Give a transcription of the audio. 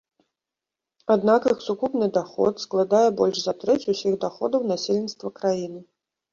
Аднак іх сукупны даход складае больш за трэць усіх даходаў насельніцтва краіны.